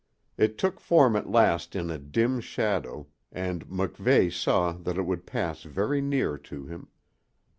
It took form at last in a dim shadow, and MacVeigh saw that it would pass very near to him.